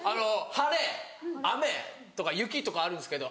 晴れ雨とか雪とかあるんですけど。